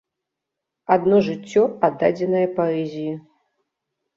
Адно жыццё, аддадзенае паэзіі.